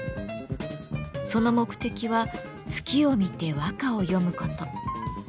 その目的は月を見て和歌を詠むこと。